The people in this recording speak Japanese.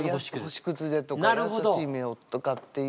「星屑で」とか「優しい瞳を」とかっていう。